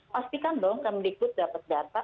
pastikan dong kami dikut dapat data